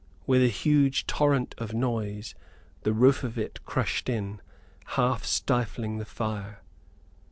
With a huge torrent of noise the roof of it crushed in, half stifling the fire.